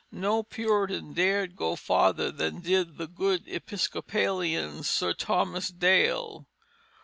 No Puritan dared go farther than did the good Episcopalian Sir Thomas Dale.